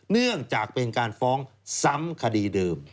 เนื่องจากเป็นการฟ้องซ้ำคดีเดิม